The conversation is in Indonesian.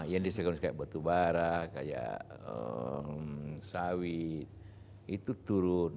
yang disebut seperti batu bara kayak sawit itu turun